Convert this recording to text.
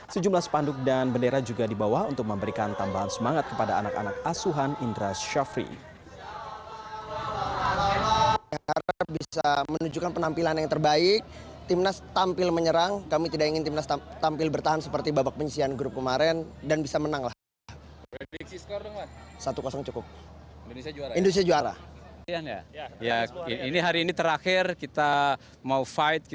sejumlah sepanduk dan bendera juga di bawah untuk memberikan tambahan semangat kepada anak anak asuhan indra shafi